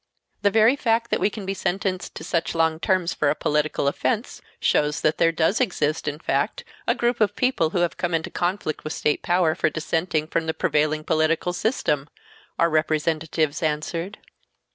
"The very fact that we can be sentenced to such long terms for a political offense shows that there does exist, in fact, a group of people who have come into conflict with state power for dissenting from the prevailing political system," our representatives answered.